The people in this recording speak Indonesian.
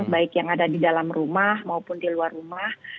baik yang ada di dalam rumah maupun di luar rumah